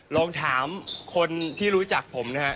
ลองถามคนที่รู้จักผม